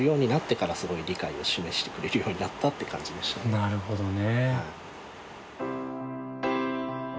なるほどね。